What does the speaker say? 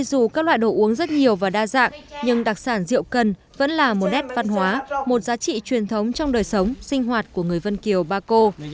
dù các loại đồ uống rất nhiều và đa dạng nhưng đặc sản rượu cần vẫn là một nét văn hóa một giá trị truyền thống trong đời sống sinh hoạt của người vân kiều ba cô